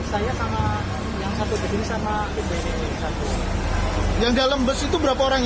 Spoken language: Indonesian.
kasian pengen lihat kuburannya bapaknya